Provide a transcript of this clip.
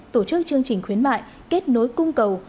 tổ chức chương trình khuyến mại kết nối cung cầu